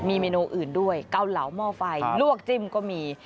มีเมนูอื่นด้วยเกาเหลาหม้อไฟลวกจิ้มก็มี